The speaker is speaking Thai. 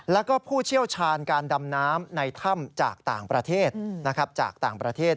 แล้วก็ผู้เชี่ยวชาญการดำน้ำในถ้ำจากต่างประเทศนะครับ